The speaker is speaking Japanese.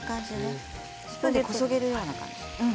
スプーンでこそげるような感じ。